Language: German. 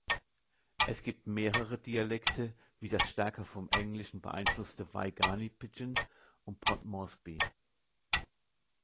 Es gibt mehrere Dialekte, wie das stärker vom Englischen beeinflusste "Waigani-Pidgin" um Port Moresby.